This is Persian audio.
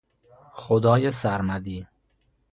خدای سرمدی